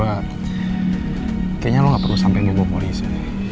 kayaknya lo gak perlu sampe bingung polisi